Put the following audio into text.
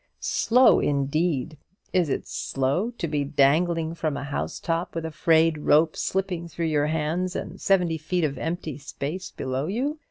Slow, indeed! Is it slow to be dangling from a housetop with a frayed rope slipping through your hands and seventy feet of empty space below you?